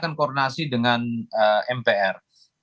kan koordinasi dengan mpr